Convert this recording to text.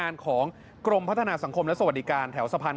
อ้าวยาวยาวไปยาวยาวไป